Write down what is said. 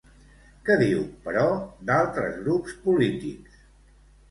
Què diu, però, d'altres grups polítics?